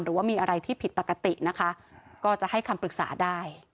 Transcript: หรือว่ามีอะไรที่ผิดปกตินะคะก็จะให้คำปรึกษาได้